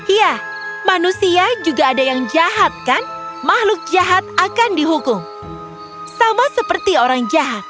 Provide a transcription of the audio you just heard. iya manusia juga ada yang jahat kan makhluk jahat akan dihukum sama seperti orang jahat